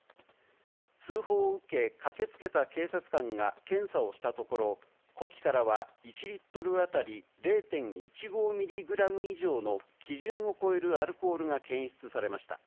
通報を受け、駆けつけた警察官が検査をしたところ、呼気からは１リットル当たり０．１５ミリグラム以上の基準を超えるアルコールが検出されました。